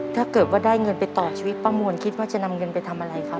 ถ้าเกิดว่าได้เงินไปต่อชีวิตป้ามวลคิดว่าจะนำเงินไปทำอะไรครับ